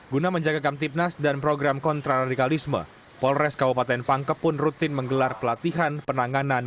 guna menjaga kamtipnas dan program kontraradikalisme polres kabupaten pangkep pun rutin menggelar pelatihan penanganan